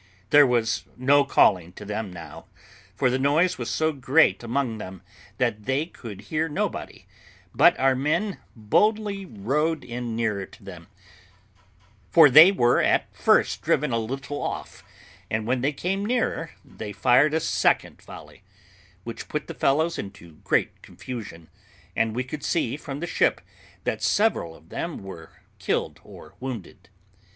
There was no calling to them now, for the noise was so great among them that they could hear nobody, but our men boldly rowed in nearer to them, for they were at first driven a little off, and when they came nearer, they fired a second volley, which put the fellows into great confusion, and we could see from the ship that several of them were killed or wounded.